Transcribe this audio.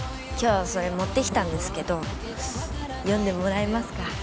今日それ持ってきたんですけど読んでもらえますか？